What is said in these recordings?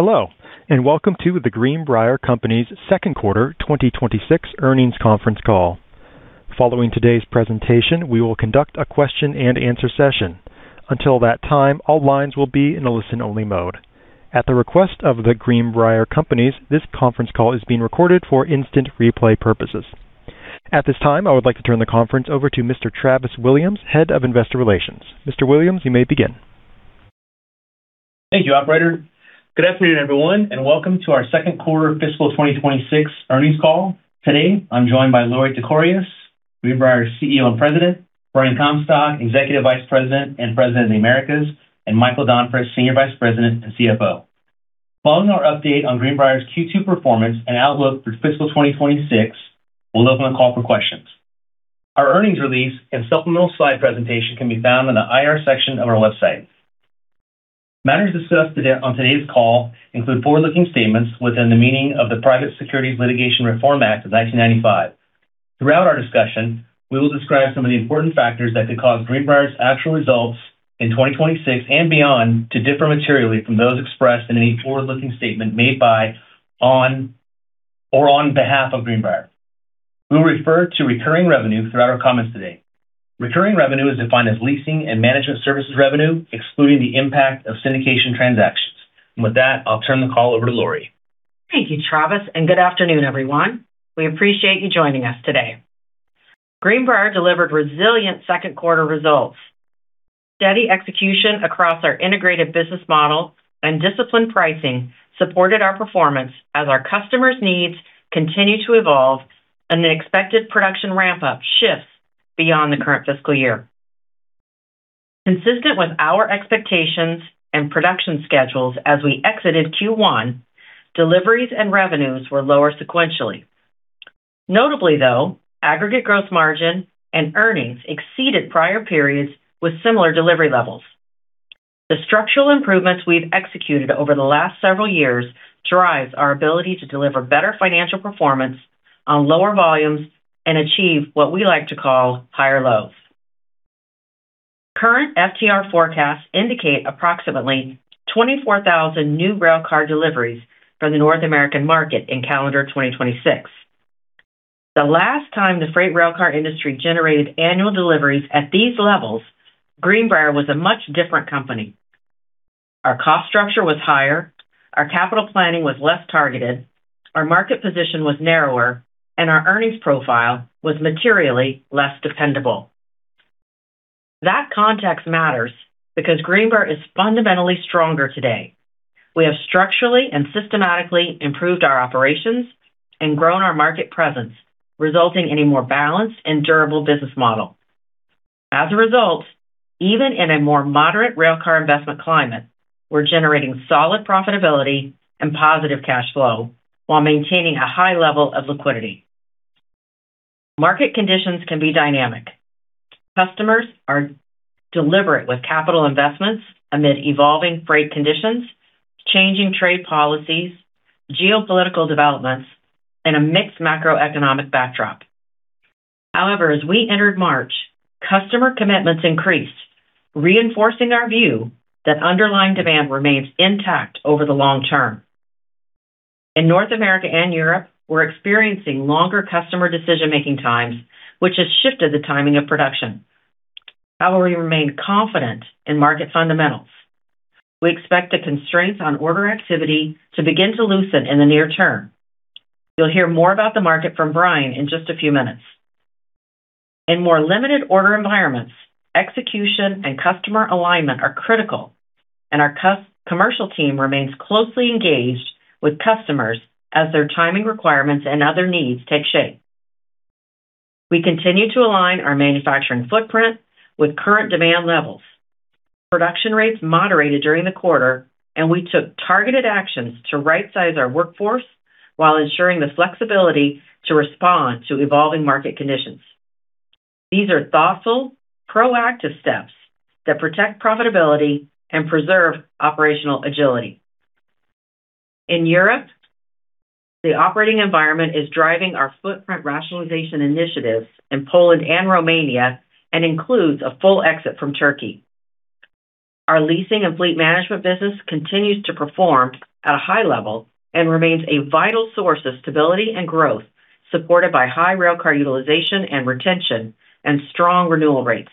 Hello, and welcome to The Greenbrier Companies' second quarter 2026 earnings conference call. Following today's presentation, we will conduct a question and answer session. Until that time, all lines will be in a listen-only mode. At the request of The Greenbrier Companies, this conference call is being recorded for instant replay purposes. At this time, I would like to turn the conference over to Mr. Travis Williams, Head of Investor Relations. Mr. Williams, you may begin. Thank you, operator. Good afternoon, everyone, and welcome to our second quarter fiscal 2026 earnings call. Today, I'm joined by Lorie Tekorius, Greenbrier's CEO and President, Brian Comstock, Executive Vice President and President of the Americas, and Michael Donfris, Senior Vice President and CFO. Following our update on Greenbrier's Q2 performance and outlook through fiscal 2026, we'll open the call for questions. Our earnings release and supplemental slide presentation can be found on the IR section of our website. Matters discussed on today's call include forward-looking statements within the meaning of the Private Securities Litigation Reform Act of 1995. Throughout our discussion, we will describe some of the important factors that could cause Greenbrier's actual results in 2026 and beyond to differ materially from those expressed in any forward-looking statement made by, on, or on behalf of Greenbrier. We'll refer to recurring revenue throughout our comments today. Recurring revenue is defined as leasing and management services revenue, excluding the impact of syndication transactions. With that, I'll turn the call over to Lorie. Thank you, Travis, and good afternoon, everyone. We appreciate you joining us today. Greenbrier delivered resilient second quarter results. Steady execution across our integrated business model and disciplined pricing supported our performance as our customers' needs continue to evolve and the expected production ramp-up shifts beyond the current fiscal year. Consistent with our expectations and production schedules as we exited Q1, deliveries and revenues were lower sequentially. Notably, though, aggregate gross margin and earnings exceeded prior periods with similar delivery levels. The structural improvements we've executed over the last several years drives our ability to deliver better financial performance on lower volumes and achieve what we like to call higher lows. Current FTR forecasts indicate approximately 24,000 new railcar deliveries for the North American market in calendar 2026. The last time the freight railcar industry generated annual deliveries at these levels, Greenbrier was a much different company. Our cost structure was higher, our capital planning was less targeted, our market position was narrower, and our earnings profile was materially less dependable. That context matters because Greenbrier is fundamentally stronger today. We have structurally and systematically improved our operations and grown our market presence, resulting in a more balanced and durable business model. As a result, even in a more moderate railcar investment climate, we're generating solid profitability and positive cash flow while maintaining a high level of liquidity. Market conditions can be dynamic. Customers are deliberate with capital investments amid evolving freight conditions, changing trade policies, geopolitical developments, and a mixed macroeconomic backdrop. However, as we entered March, customer commitments increased, reinforcing our view that underlying demand remains intact over the long term. In North America and Europe, we're experiencing longer customer decision-making times, which has shifted the timing of production. However, we remain confident in market fundamentals. We expect the constraints on order activity to begin to loosen in the near term. You'll hear more about the market from Brian in just a few minutes. In more limited order environments, execution and customer alignment are critical, and our commercial team remains closely engaged with customers as their timing requirements and other needs take shape. We continue to align our manufacturing footprint with current demand levels. Production rates moderated during the quarter, and we took targeted actions to rightsize our workforce while ensuring the flexibility to respond to evolving market conditions. These are thoughtful, proactive steps that protect profitability and preserve operational agility. In Europe, the operating environment is driving our footprint rationalization initiatives in Poland and Romania, and includes a full exit from Turkey. Our leasing and fleet management business continues to perform at a high level and remains a vital source of stability and growth, supported by high railcar utilization and retention and strong renewal rates.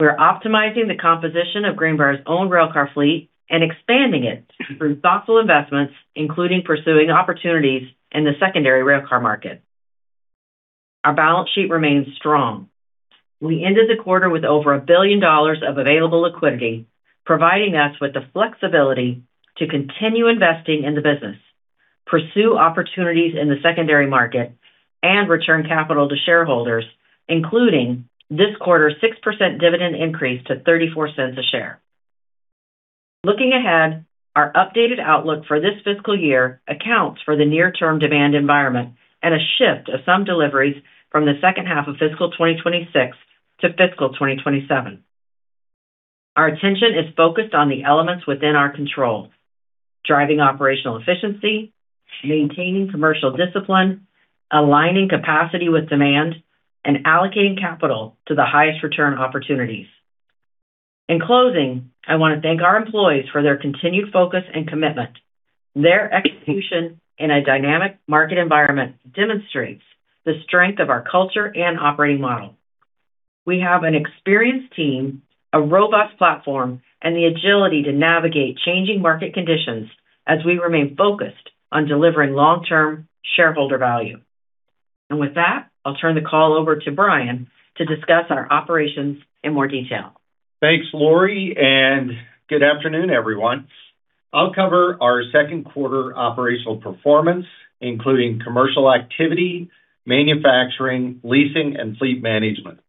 We're optimizing the composition of Greenbrier's own railcar fleet and expanding it through thoughtful investments, including pursuing opportunities in the secondary railcar market. Our balance sheet remains strong. We ended the quarter with over $1 billion of available liquidity, providing us with the flexibility to continue investing in the business, pursue opportunities in the secondary market, and return capital to shareholders, including this quarter's 6% dividend increase to $0.34 a share. Looking ahead, our updated outlook for this fiscal year accounts for the near-term demand environment and a shift of some deliveries from the second half of fiscal 2026 to fiscal 2027. Our attention is focused on the elements within our control, driving operational efficiency. Maintaining commercial discipline, aligning capacity with demand, and allocating capital to the highest return opportunities. In closing, I want to thank our employees for their continued focus and commitment. Their execution in a dynamic market environment demonstrates the strength of our culture and operating model. We have an experienced team, a robust platform, and the agility to navigate changing market conditions as we remain focused on delivering long-term shareholder value. With that, I'll turn the call over to Brian to discuss our operations in more detail. Thanks, Lorie, and good afternoon, everyone. I'll cover our second quarter operational performance, including commercial activity, manufacturing, leasing, and fleet management.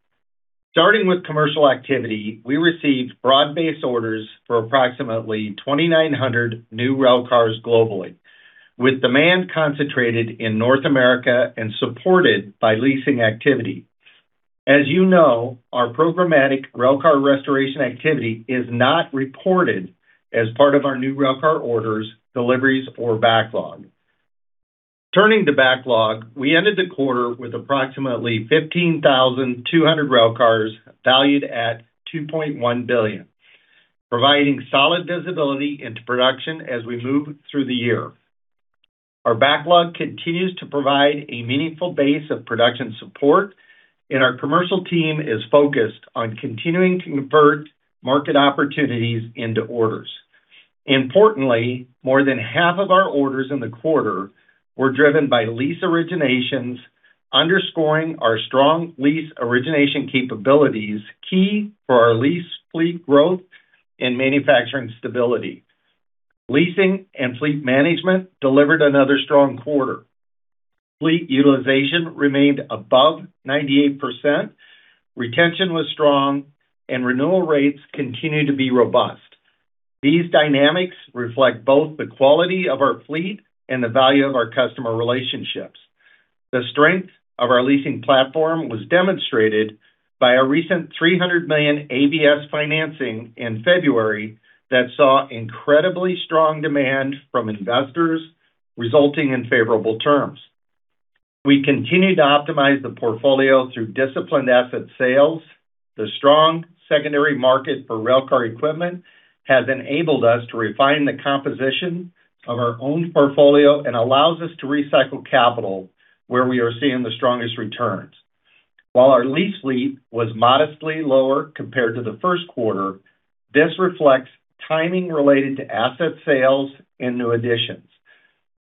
Starting with commercial activity, we received broad-based orders for approximately 2,900 new railcars globally, with demand concentrated in North America and supported by leasing activity. As you know, our programmatic railcar restoration activity is not reported as part of our new railcar orders, deliveries, or backlog. Turning to backlog, we ended the quarter with approximately 15,200 railcars valued at $2.1 billion, providing solid visibility into production as we move through the year. Our backlog continues to provide a meaningful base of production support and our commercial team is focused on continuing to convert market opportunities into orders. Importantly, more than half of our orders in the quarter were driven by lease originations, underscoring our strong lease origination capabilities, key for our lease fleet growth and manufacturing stability. Leasing and fleet management delivered another strong quarter. Fleet utilization remained above 98%, retention was strong, and renewal rates continue to be robust. These dynamics reflect both the quality of our fleet and the value of our customer relationships. The strength of our leasing platform was demonstrated by a recent $300 million ABS financing in February that saw incredibly strong demand from investors, resulting in favorable terms. We continue to optimize the portfolio through disciplined asset sales. The strong secondary market for railcar equipment has enabled us to refine the composition of our owned portfolio and allows us to recycle capital where we are seeing the strongest returns. While our lease fleet was modestly lower compared to the first quarter, this reflects timing related to asset sales and new additions.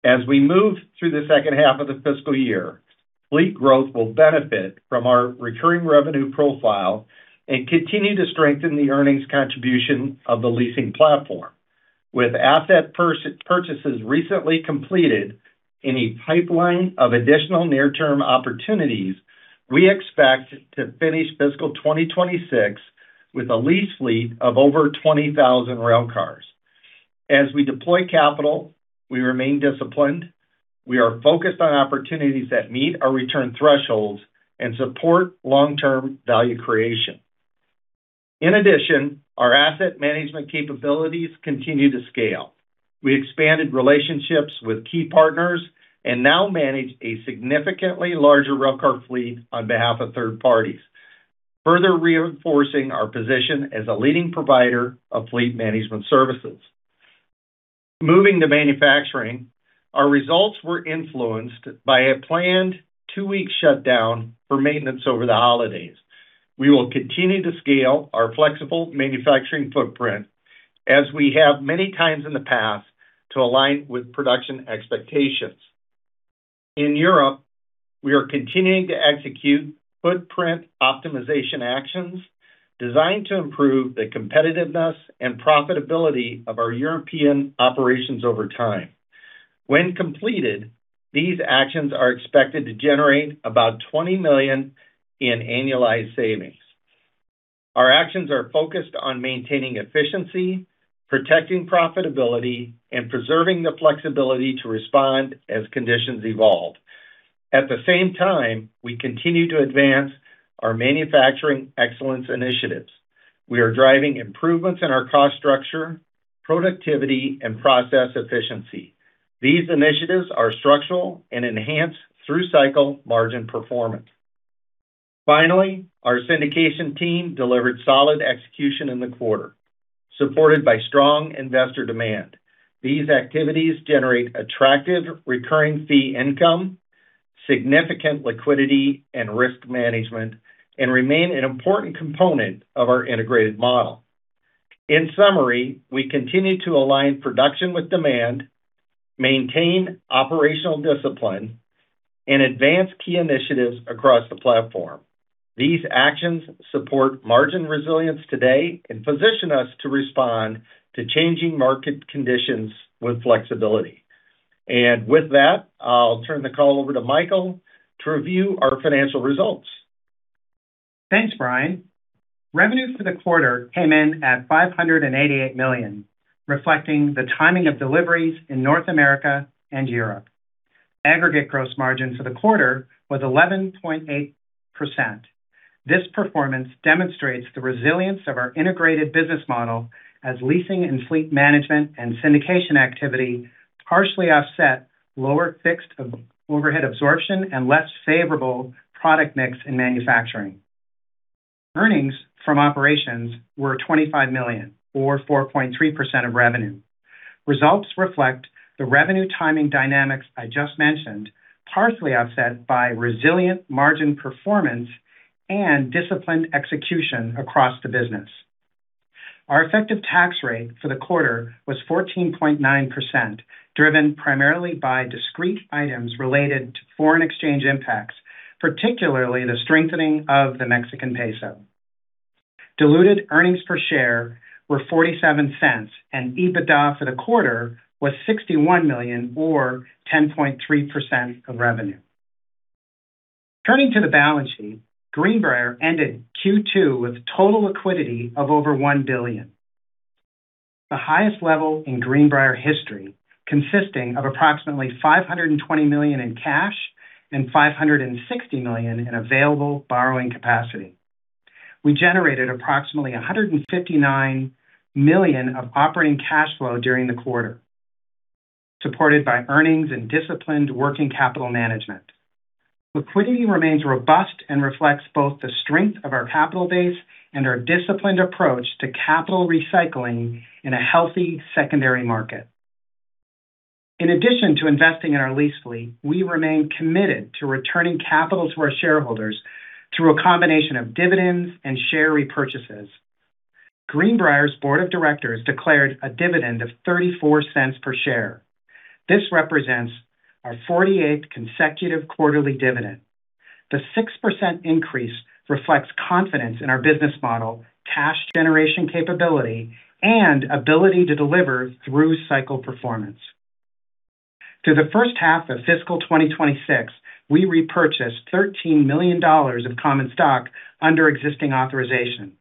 As we move through the second half of the fiscal year, fleet growth will benefit from our recurring revenue profile and continue to strengthen the earnings contribution of the leasing platform. With asset purchases recently completed and a pipeline of additional near-term opportunities, we expect to finish fiscal 2026 with a lease fleet of over 20,000 railcars. As we deploy capital, we remain disciplined. We are focused on opportunities that meet our return thresholds and support long-term value creation. In addition, our asset management capabilities continue to scale. We expanded relationships with key partners and now manage a significantly larger railcar fleet on behalf of third parties, further reinforcing our position as a leading provider of fleet management services. Moving to manufacturing, our results were influenced by a planned two-week shutdown for maintenance over the holidays. We will continue to scale our flexible manufacturing footprint as we have many times in the past, to align with production expectations. In Europe, we are continuing to execute footprint optimization actions designed to improve the competitiveness and profitability of our European operations over time. When completed, these actions are expected to generate about $20 million in annualized savings. Our actions are focused on maintaining efficiency, protecting profitability, and preserving the flexibility to respond as conditions evolve. At the same time, we continue to advance our manufacturing excellence initiatives. We are driving improvements in our cost structure, productivity, and process efficiency. These initiatives are structural and enhance through-cycle margin performance. Finally, our syndication team delivered solid execution in the quarter, supported by strong investor demand. These activities generate attractive recurring fee income, significant liquidity and risk management, and remain an important component of our integrated model. In summary, we continue to align production with demand, maintain operational discipline, and advance key initiatives across the platform. These actions support margin resilience today and position us to respond to changing market conditions with flexibility. With that, I'll turn the call over to Michael Donfris to review our financial results. Thanks, Brian. Revenue for the quarter came in at $588 million, reflecting the timing of deliveries in North America and Europe. Aggregate gross margin for the quarter was 11.8%. This performance demonstrates the resilience of our integrated business model as leasing and fleet management and syndication activity partially offset lower fixed overhead absorption and less favorable product mix in manufacturing. Earnings from operations were $25 million, or 4.3% of revenue. Results reflect the revenue timing dynamics I just mentioned, partially offset by resilient margin performance and disciplined execution across the business. Our effective tax rate for the quarter was 14.9%, driven primarily by discrete items related to foreign exchange impacts, particularly the strengthening of the Mexican peso. Diluted earnings per share were $0.47, and EBITDA for the quarter was $61 million, or 10.3% of revenue. Turning to the balance sheet, Greenbrier ended Q2 with total liquidity of over $1 billion, the highest level in Greenbrier history, consisting of approximately $520 million in cash and $560 million in available borrowing capacity. We generated approximately $159 million of operating cash flow during the quarter, supported by earnings and disciplined working capital management. Liquidity remains robust and reflects both the strength of our capital base and our disciplined approach to capital recycling in a healthy secondary market. In addition to investing in our lease fleet, we remain committed to returning capital to our shareholders through a combination of dividends and share repurchases. Greenbrier's Board of Directors declared a dividend of $0.34 per share. This represents our 48th consecutive quarterly dividend. The 6% increase reflects confidence in our business model, cash generation capability, and ability to deliver through cycle performance. Through the first half of fiscal 2026, we repurchased $13 million of common stock under existing authorization.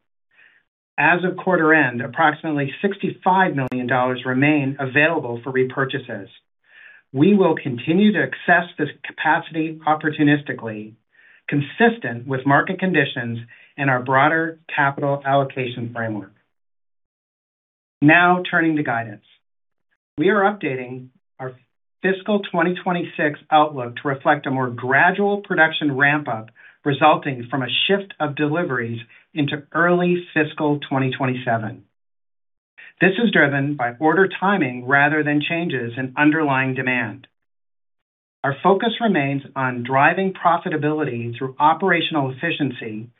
As of quarter end, approximately $65 million remain available for repurchases. We will continue to access this capacity opportunistically, consistent with market conditions and our broader capital allocation framework. Now turning to guidance. We are updating our fiscal 2026 outlook to reflect a more gradual production ramp-up, resulting from a shift of deliveries into early fiscal 2027. This is driven by order timing rather than changes in underlying demand. Our focus remains on driving profitability through operational efficiency,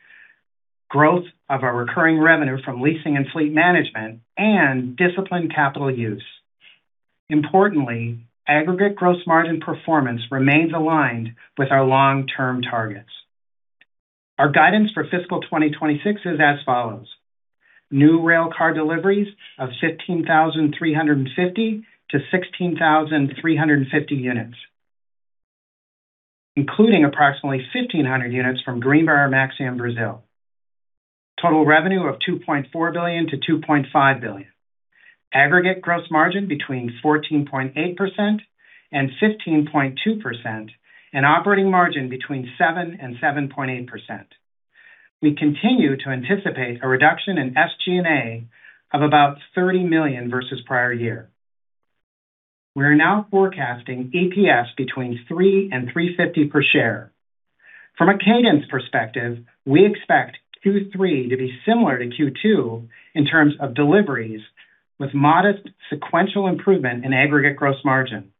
growth of our recurring revenue from leasing and fleet management, and disciplined capital use. Importantly, aggregate gross margin performance remains aligned with our long-term targets. Our guidance for fiscal 2026 is as follows: new railcar deliveries of 15,350-16,350 units, including approximately 1,500 units from Greenbrier-Maxion Brazil. Total revenue of $2.4 billion-$2.5 billion. Aggregate gross margin between 14.8% and 15.2%, and operating margin between 7% and 7.8%. We continue to anticipate a reduction in SG&A of about $30 million versus prior year. We are now forecasting EPS between $3 and $3.50 per share. From a cadence perspective, we expect Q3 to be similar to Q2 in terms of deliveries, with modest sequential improvement in aggregate gross margin.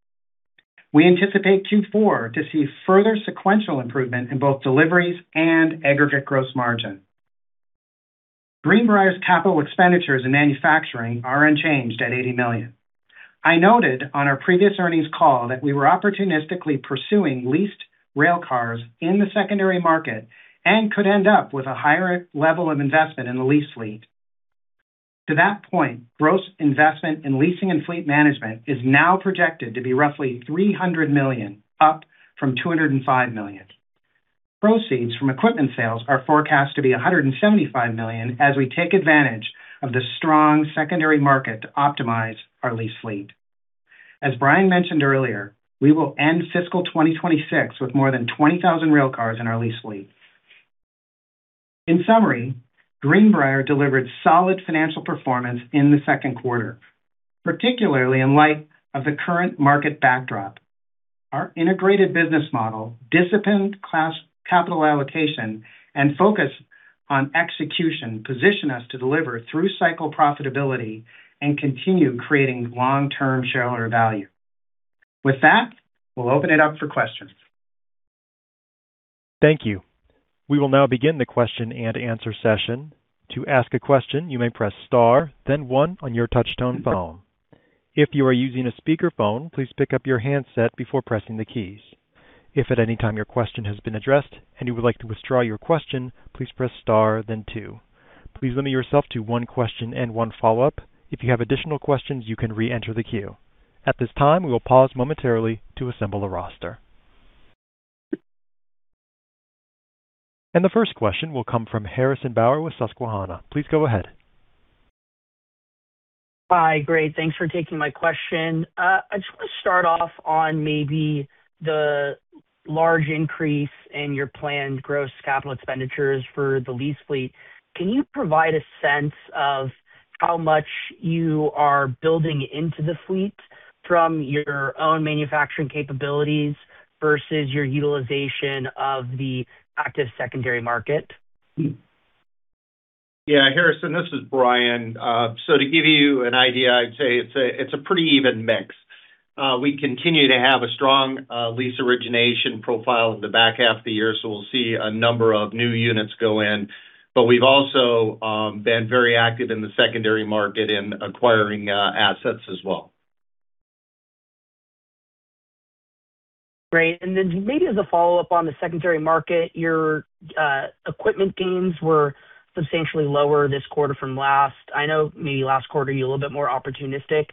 We anticipate Q4 to see further sequential improvement in both deliveries and aggregate gross margin. Greenbrier's capital expenditures in manufacturing are unchanged at $80 million. I noted on our previous earnings call that we were opportunistically pursuing leased railcars in the secondary market and could end up with a higher level of investment in the lease fleet. To that point, gross investment in leasing and fleet management is now projected to be roughly $300 million, up from $205 million. Proceeds from equipment sales are forecast to be $175 million as we take advantage of the strong secondary market to optimize our lease fleet. As Brian mentioned earlier, we will end fiscal 2026 with more than 20,000 railcars in our lease fleet. In summary, Greenbrier delivered solid financial performance in the second quarter, particularly in light of the current market backdrop. Our integrated business model, disciplined capital allocation, and focus on execution position us to deliver through-cycle profitability and continue creating long-term shareholder value. With that, we'll open it up for questions. Thank you. We will now begin the question and answer session. To ask a question, you may press star then one on your touch tone phone. If you are using a speakerphone, please pick up your handset before pressing the keys. If at any time your question has been addressed and you would like to withdraw your question, please press star then two. Please limit yourself to one question and one follow-up. If you have additional questions, you can re-enter the queue. At this time, we will pause momentarily to assemble the roster. The first question will come from Harrison Bauer with Susquehanna. Please go ahead. Hi. Great, thanks for taking my question. I just want to start off on maybe the large increase in your planned gross capital expenditures for the lease fleet. Can you provide a sense of how much you are building into the fleet from your own manufacturing capabilities versus your utilization of the active secondary market? Yeah, Harrison, this is Brian. To give you an idea, I'd say it's a pretty even mix. We continue to have a strong lease origination profile in the back half of the year, so we'll see a number of new units go in, but we've also been very active in the secondary market in acquiring assets as well. Great. Maybe as a follow-up on the secondary market, your equipment gains were substantially lower this quarter from last. I know maybe last quarter you were a little bit more opportunistic.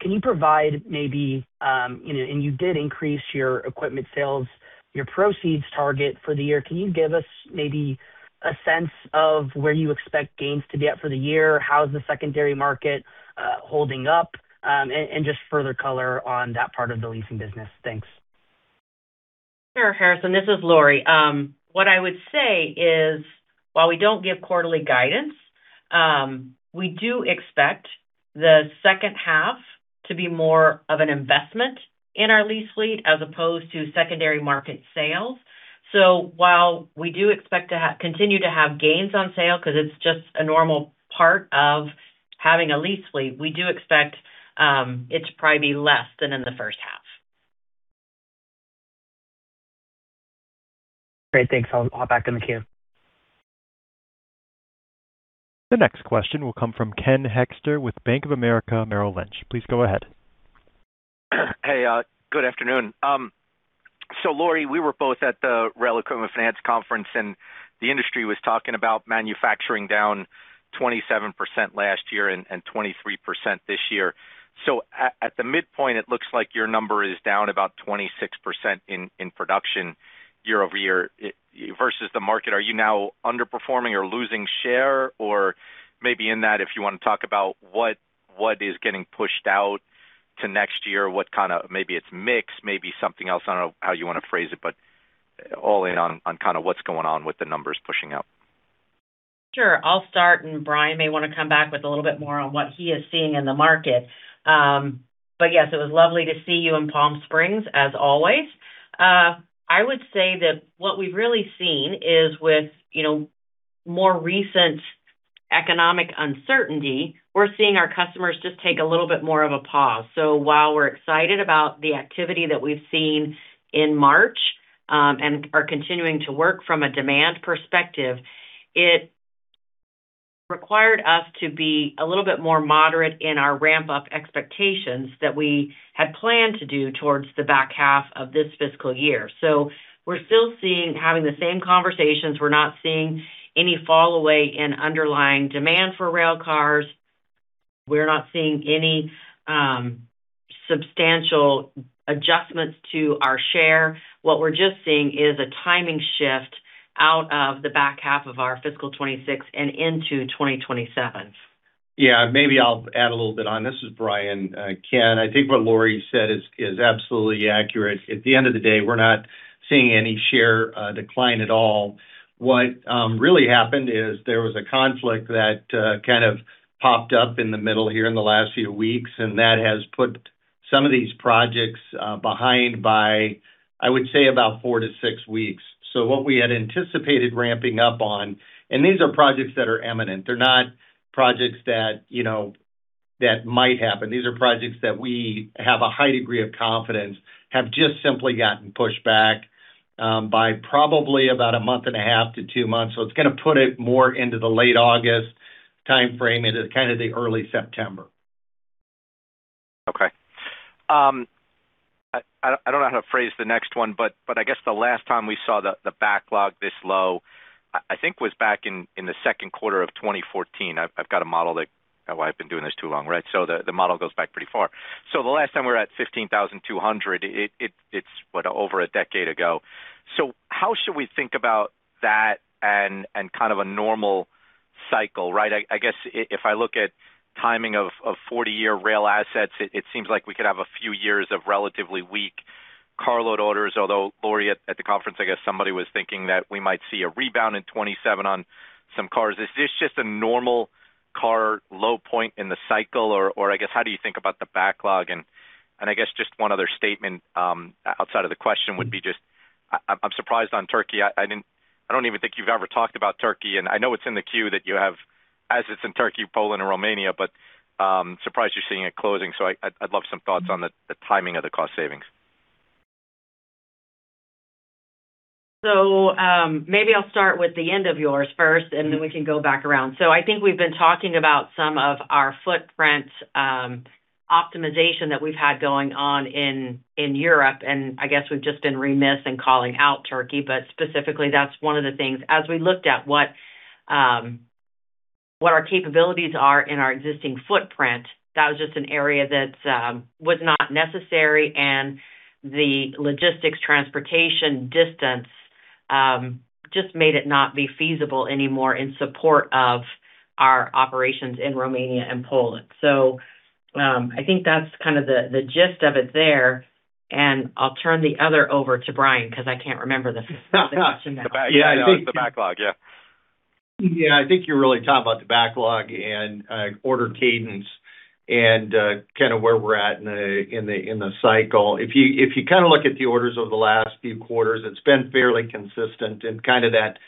Can you provide maybe, and you did increase your equipment sales, your proceeds target for the year. Can you give us maybe a sense of where you expect gains to be at for the year? How's the secondary market holding up? Just further color on that part of the leasing business. Thanks. Sure, Harrison, this is Lorie. What I would say is, while we don't give quarterly guidance, we do expect the second half to be more of an investment in our lease fleet as opposed to secondary market sales. While we do expect to continue to have gains on sale because it's just a normal part of having a lease fleet, we do expect it to probably be less than in the first half. Great. Thanks. I'll hop back in the queue. The next question will come from Ken Hoexter with Bank of America Merrill Lynch. Please go ahead. Hey, good afternoon. Lorie, we were both at the Rail Equipment Finance Conference, and the industry was talking about manufacturing down 27% last year and 23% this year. At the midpoint, it looks like your number is down about 26% in production year-over-year versus the market. Are you now underperforming or losing share? Or maybe in that, if you want to talk about what is getting pushed out to next year, maybe it's mixed, maybe something else. I don't know how you want to phrase it, but all in on what's going on with the numbers pushing out. Sure. I'll start and Brian may want to come back with a little bit more on what he is seeing in the market. Yes, it was lovely to see you in Palm Springs as always. I would say that what we've really seen is with more recent economic uncertainty, we're seeing our customers just take a little bit more of a pause. While we're excited about the activity that we've seen in March, and are continuing to work from a demand perspective, it required us to be a little bit more moderate in our ramp-up expectations that we had planned to do towards the back half of this fiscal year. We're still seeing having the same conversations. We're not seeing any fall away in underlying demand for rail cars. We're not seeing any substantial adjustments to our share. What we're just seeing is a timing shift out of the back half of our fiscal 2026 and into 2027. Yeah. Maybe I'll add a little bit on. This is Brian. Ken, I think what Lorie said is absolutely accurate. At the end of the day, we're not seeing any share decline at all. What really happened is there was a conflict that kind of popped up in the middle here in the last few weeks, and that has put some of these projects behind by, I would say, about 4-6 weeks. What we had anticipated ramping up on, and these are projects that are imminent. They're not projects that might happen. These are projects that we have a high degree of confidence have just simply gotten pushed back by probably about 1.5-2 months. It's going to put it more into the late August timeframe into kind of the early September. Okay. I don't know how to phrase the next one, but I guess the last time we saw the backlog this low, I think was back in the second quarter of 2014. I've got a model that-- I've been doing this too long, right? The model goes back pretty far. The last time we were at 15,200, it's over a decade ago. How should we think about that and kind of a normal cycle, right? I guess if I look at timing of 40-year rail assets, it seems like we could have a few years of relatively weak carload orders. Although Lorie, at the conference, I guess somebody was thinking that we might see a rebound in 2027 on some cars. Is this just a normal car low point in the cycle? Or I guess, how do you think about the backlog? I guess just one other statement outside of the question would be just, I'm surprised on Turkey. I don't even think you've ever talked about Turkey, and I know it's in the queue that you have assets in Turkey, Poland and Romania, but I'm surprised you're seeing it closing. I'd love some thoughts on the timing of the cost savings. Maybe I'll start with the end of yours first, and then we can go back around. I think we've been talking about some of our footprint optimization that we've had going on in Europe, and I guess we've just been remiss in calling out Turkey. Specifically, that's one of the things, as we looked at what our capabilities are in our existing footprint, that was just an area that was not necessary and the logistics transportation distance just made it not be feasible anymore in support of our operations in Romania and Poland. I think that's kind of the gist of it there, and I'll turn it over to Brian because I can't remember the second question there. Yeah, no. The backlog. Yeah. Yeah. I think you're really talking about the backlog and quarter cadence and kind of where we're at in the cycle. If you look at the orders over the last few quarters, it's been fairly consistent in kind of that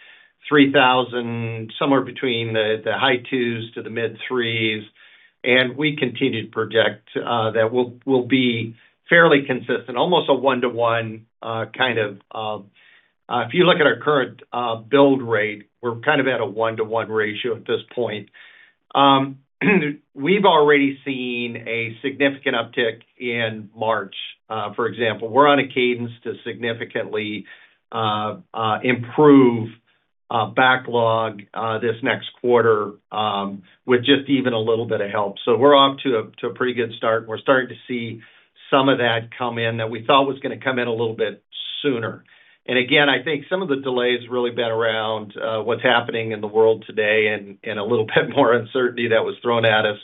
3,000, somewhere between the high 2,000s to the mid-3,000s. We continue to project that we'll be fairly consistent, almost a one-to-one, kind of. If you look at our current build rate, we're kind of at a one-to-one ratio at this point. We've already seen a significant uptick in March. For example, we're on a cadence to significantly improve backlog this next quarter with just even a little bit of help. We're off to a pretty good start, and we're starting to see some of that come in that we thought was going to come in a little bit sooner. Again, I think some of the delay's really been around what's happening in the world today and a little bit more uncertainty that was thrown at us.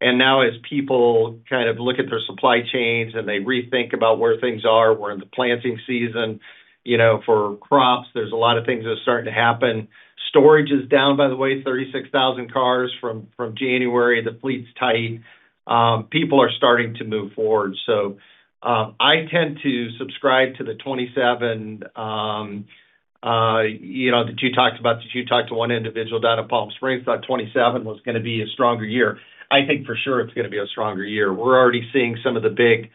Now as people kind of look at their supply chains and they rethink about where things are, we're in the planting season for crops. There's a lot of things that are starting to happen. Storage is down, by the way, 36,000 cars from January. The fleet's tight. People are starting to move forward. I tend to subscribe to the 2027 that you talked about, that you talked to one individual down in Palm Springs, thought 2027 was going to be a stronger year. I think for sure it's going to be a stronger year. We're already seeing some of the big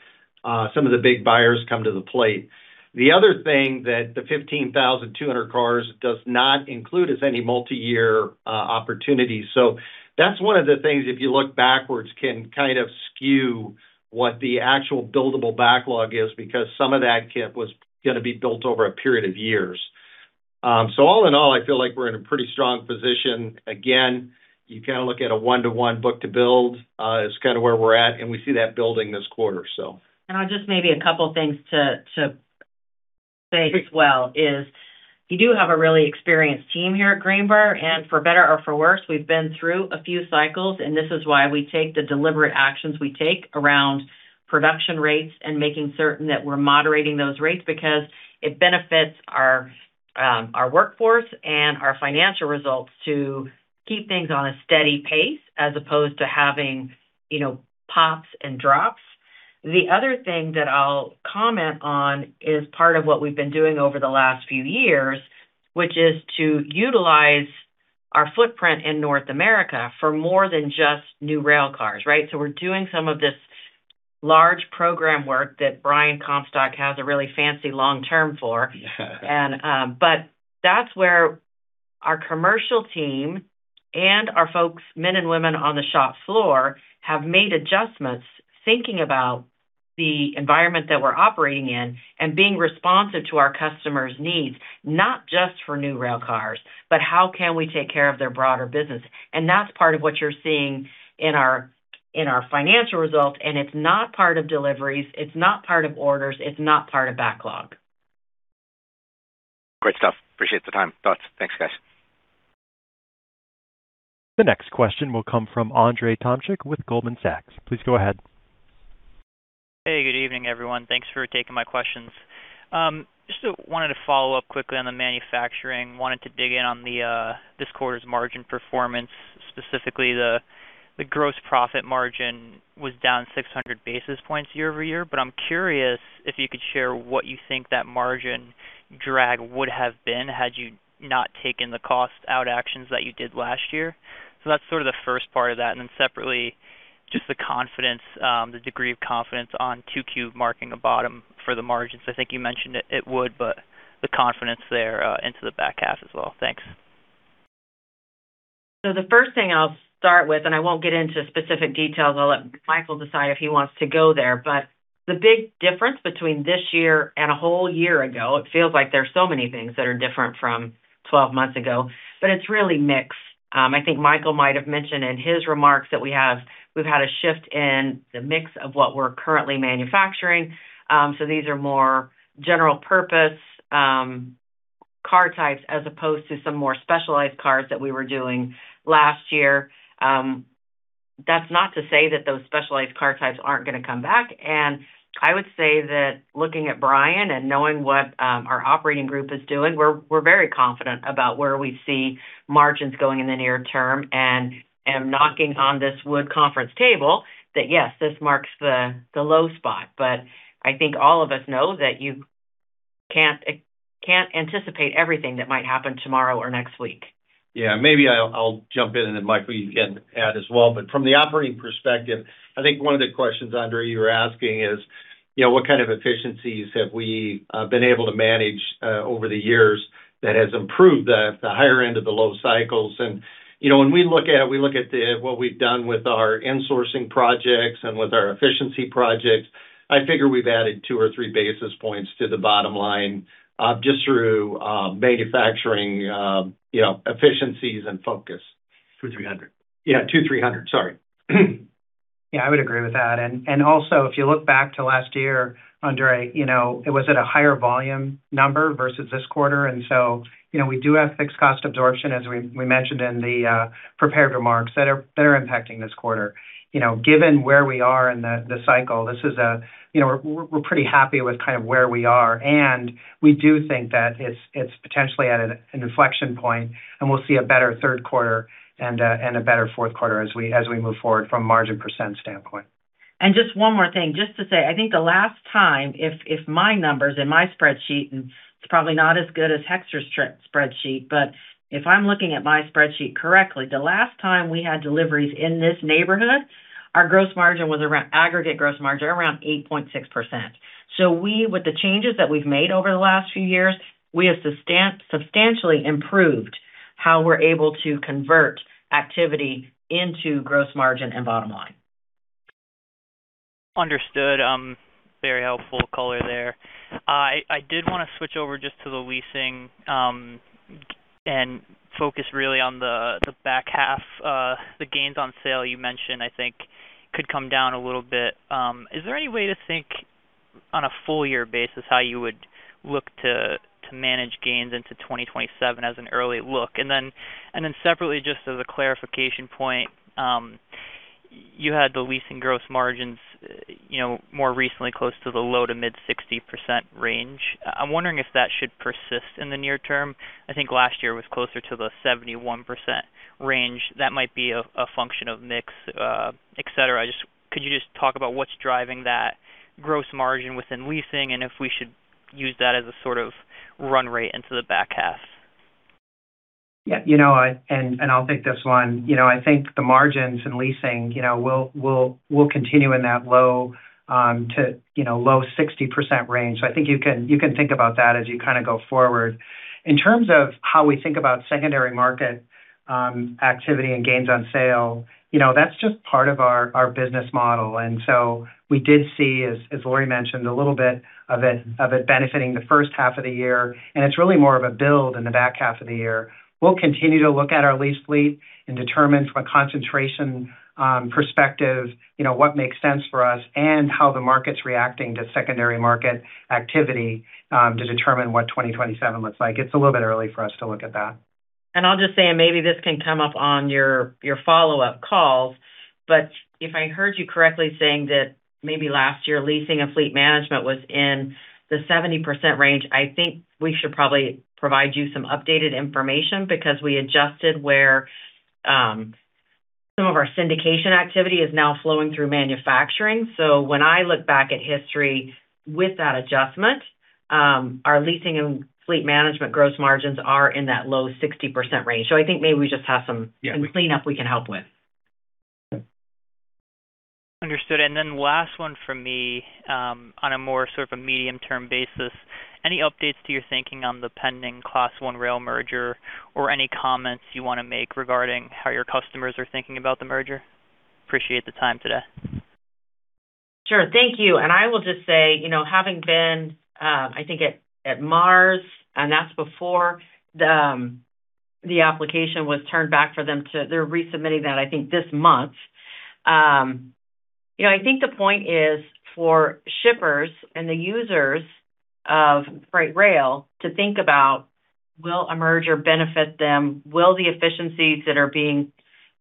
buyers come to the plate. The other thing that the 15,200 cars does not include is any multi-year opportunities. That's one of the things, if you look backwards, can kind of skew what the actual buildable backlog is because some of that was going to be built over a period of years. All in all, I feel like we're in a pretty strong position. Again, you kind of look at a one-to-one book to build is kind of where we're at, and we see that building this quarter. Just maybe a couple things to say as well is we do have a really experienced team here at Greenbrier, and for better or for worse, we've been through a few cycles, and this is why we take the deliberate actions we take around production rates and making certain that we're moderating those rates because it benefits our workforce and our financial results to keep things on a steady pace as opposed to having pops and drops. The other thing that I'll comment on is part of what we've been doing over the last few years, which is to utilize our footprint in North America for more than just new rail cars. Right? We're doing some of this large program work that Brian Comstock has a really fancy long-term for. That's where our commercial team and our folks, men and women on the shop floor, have made adjustments, thinking about the environment that we're operating in and being responsive to our customers' needs, not just for new rail cars, but how can we take care of their broader business. That's part of what you're seeing in our financial results, and it's not part of deliveries, it's not part of orders, it's not part of backlog. Great stuff. Appreciate the time. Thoughts. Thanks, guys. The next question will come from Andrzej Tomczyk with Goldman Sachs. Please go ahead. Hey, good evening, everyone. Thanks for taking my questions. Just wanted to follow up quickly on the manufacturing. Wanted to dig in on this quarter's margin performance, specifically the gross profit margin was down 600 basis points year-over-year. I'm curious if you could share what you think that margin drag would have been had you not taken the cost-out actions that you did last year. That's sort of the first part of that. Then separately, just the confidence, the degree of confidence on 2Q marking a bottom for the margins. I think you mentioned it would, but the confidence there into the back half as well. Thanks. The first thing I'll start with, and I won't get into specific details, I'll let Michael decide if he wants to go there, but the big difference between this year and a whole year ago, it feels like there's so many things that are different from 12 months ago, but it's really mixed. I think Michael might have mentioned in his remarks that we've had a shift in the mix of what we're currently manufacturing. These are more general purpose car types as opposed to some more specialized cars that we were doing last year. That's not to say that those specialized car types aren't going to come back. I would say that looking at Brian and knowing what our operating group is doing, we're very confident about where we see margins going in the near term and I'm knocking on this wood conference table that yes, this marks the low spot. I think all of us know that you can't anticipate everything that might happen tomorrow or next week. Yeah. Maybe I'll jump in and then Mike, you can add as well. From the operating perspective, I think one of the questions, Andrzej, you were asking is what kind of efficiencies have we been able to manage over the years that has improved the higher end of the low cycles. When we look at it, we look at what we've done with our insourcing projects and with our efficiency projects. I figure we've added two or three basis points to the bottom line, just through manufacturing efficiencies and focus. 200, 300. Yeah, 200, 300. Sorry. Yeah, I would agree with that. Also, if you look back to last year, Andrzej, it was at a higher volume number versus this quarter. We do have fixed cost absorption, as we mentioned in the prepared remarks, that are impacting this quarter. Given where we are in the cycle, we're pretty happy with where we are. We do think that it's potentially at an inflection point, and we'll see a better third quarter and a better fourth quarter as we move forward from a margin percent standpoint. Just one more thing, just to say, I think the last time, if my numbers in my spreadsheet, and it's probably not as good as Hoexter's spreadsheet, but if I'm looking at my spreadsheet correctly, the last time we had deliveries in this neighborhood, our aggregate gross margin was around 8.6%. With the changes that we've made over the last few years, we have substantially improved how we're able to convert activity into gross margin and bottom line. Understood. Very helpful color there. I did want to switch over just to the leasing, and focus really on the back half. The gains on sale you mentioned, I think could come down a little bit. Is there any way to think on a full year basis how you would look to manage gains into 2027 as an early look? Then separately, just as a clarification point, you had the leasing gross margins more recently close to the low to mid-60% range. I'm wondering if that should persist in the near term. I think last year was closer to the 71% range. That might be a function of mix, et cetera. Could you just talk about what's driving that gross margin within leasing, and if we should use that as a sort of run rate into the back half? Yeah. I'll take this one. I think the margins in leasing will continue in that low 60% range. I think you can think about that as you go forward. In terms of how we think about secondary market activity and gains on sale, that's just part of our business model. We did see, as Lorie mentioned, a little bit of it benefiting the first half of the year, and it's really more of a build in the back half of the year. We'll continue to look at our lease fleet and determine from a concentration perspective what makes sense for us and how the market's reacting to secondary market activity, to determine what 2027 looks like. It's a little bit early for us to look at that. I'll just say, and maybe this can come up on your follow-up calls, but if I heard you correctly saying that maybe last year, leasing and fleet management was in the 70% range, I think we should probably provide you some updated information because we adjusted where some of our syndication activity is now flowing through manufacturing. When I look back at history with that adjustment, our leasing and fleet management gross margins are in that low 60% range. I think maybe we just have some- Yeah. -cleanup we can help with. Understood. Last one from me, on a more sort of a medium-term basis. Any updates to your thinking on the pending Class I rail merger, or any comments you want to make regarding how your customers are thinking about the merger? I appreciate the time today. Sure. Thank you. I will just say, having been, I think at March, and that's before the application was turned back. They're resubmitting that, I think, this month. I think the point is for shippers and the users of freight rail to think about will a merger benefit them, will the efficiencies that are being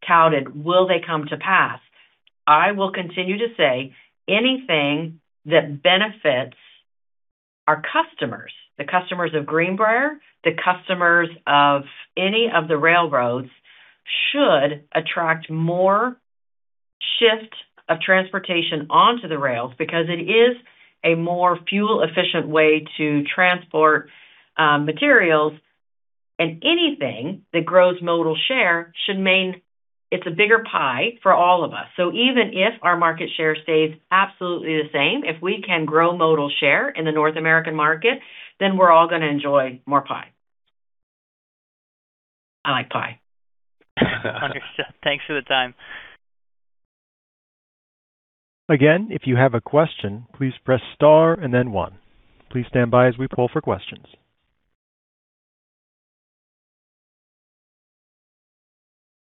touted, will they come to pass? I will continue to say anything that benefits our customers, the customers of Greenbrier, the customers of any of the railroads, should attract more shift of transportation onto the rails because it is a more fuel-efficient way to transport materials. Anything that grows modal share should mean it's a bigger pie for all of us. Even if our market share stays absolutely the same, if we can grow modal share in the North American market, then we're all going to enjoy more pie. I like pie. Understood. Thanks for the time. Again, if you have a question, please press star and then one. Please stand by as we poll for questions.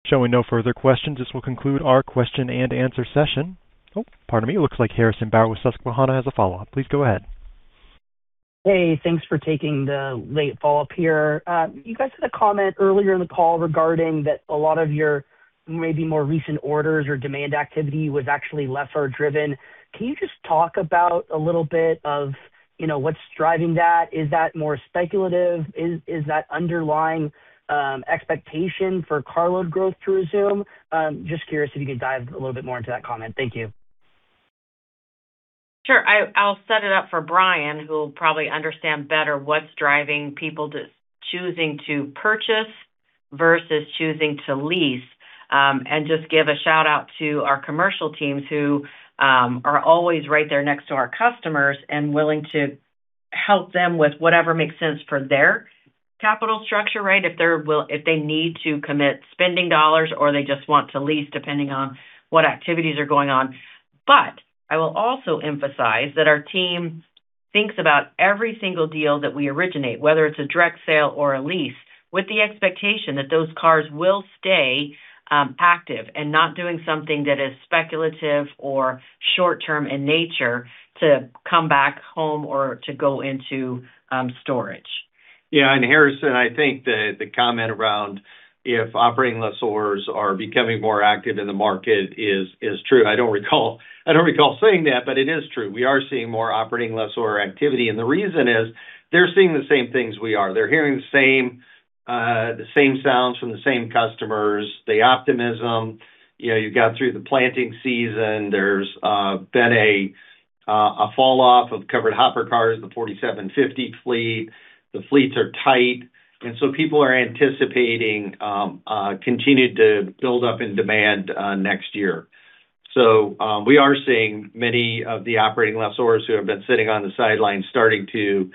Showing no further questions, this will conclude our question and answer session. Oh, pardon me. Looks like Harrison Bauer with Susquehanna has a follow-up. Please go ahead. Hey, thanks for taking the late follow-up here. You guys had a comment earlier in the call regarding that a lot of your maybe more recent orders or demand activity was actually lessor driven. Can you just talk about a little bit of what's driving that? Is that more speculative? Is that underlying expectation for carload growth to resume? Just curious if you could dive a little bit more into that comment. Thank you. Sure. I'll set it up for Brian, who'll probably understand better what's driving people to choosing to purchase versus choosing to lease. Just give a shout-out to our commercial teams, who are always right there next to our customers and willing to help them with whatever makes sense for their capital structure, right? If they need to commit spending dollars or they just want to lease, depending on what activities are going on. I will also emphasize that our team thinks about every single deal that we originate, whether it's a direct sale or a lease, with the expectation that those cars will stay active and not doing something that is speculative or short-term in nature to come back home or to go into storage. Yeah. Harrison, I think the comment around if operating lessors are becoming more active in the market is true. I don't recall saying that, but it is true. We are seeing more operating lessor activity, and the reason is they're seeing the same things we are. They're hearing the same sounds from the same customers, the optimism. You got through the planting season. There's been a falloff of covered hopper cars, the 4,750 fleet. The fleets are tight, and so people are anticipating continued build-up in demand next year. We are seeing many of the operating lessors who have been sitting on the sidelines starting to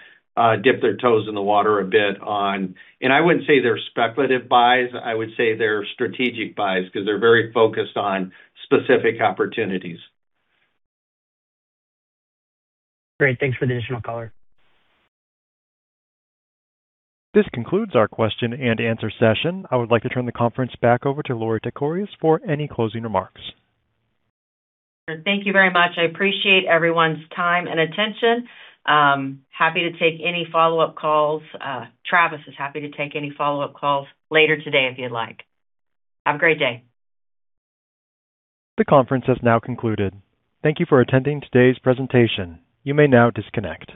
dip their toes in the water a bit. I wouldn't say they're speculative buys. I would say they're strategic buys because they're very focused on specific opportunities. Great. Thanks for the additional color. This concludes our question and answer session. I would like to turn the conference back over to Lorie Tekorius for any closing remarks. Thank you very much. I appreciate everyone's time and attention. Happy to take any follow-up calls. Travis is happy to take any follow-up calls later today if you'd like. Have a great day. The conference has now concluded. Thank you for attending today's presentation. You may now disconnect.